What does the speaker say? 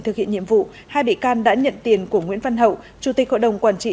thực hiện nhiệm vụ hai bị can đã nhận tiền của nguyễn văn hậu chủ tịch hội đồng quản trị